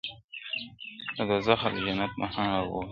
له دوزخه د جنت مهمان را ووت ,